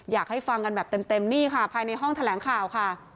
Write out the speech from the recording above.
อยากให้ฟังกันแบบเต็มนี่ค่ะภายในห้องแถลงข่าวค่ะ